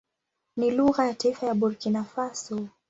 Ni lugha ya taifa ya Burkina Faso.